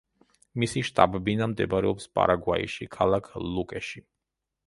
მისი შტაბ-ბინა მდებარეობს პარაგვაიში, ქალაქ ლუკეში.